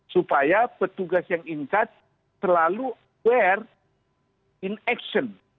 supaya petugas yang ingkat selalu aware in action